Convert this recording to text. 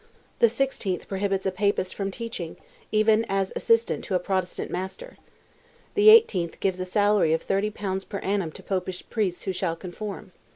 The sixteenth prohibits a Papist from teaching, even as assistant to a Protestant master. The eighteenth gives a salary of 30 pounds per annum to Popish priests who shall conform.